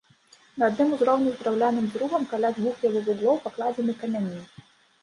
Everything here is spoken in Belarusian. На адным узроўні з драўляным зрубам каля двух яго вуглоў пакладзены камяні.